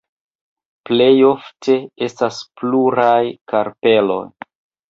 Plejofte, estas pluraj karpeloj.